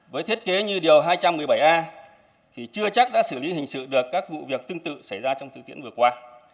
với thiết kế như điều hai trăm một mươi bảy a thì chưa chắc đã xử lý hình sự được các vụ việc tương tự xảy ra trong thực tiễn vừa qua